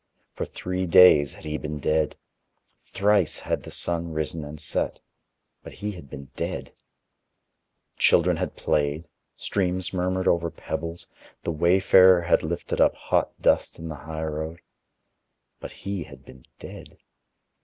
For three days had he been dead: thrice had the sun risen and set, but he had been dead; children had played, streams murmured over pebbles, the wayfarer had lifted up hot dust in the highroad, but he had been dead.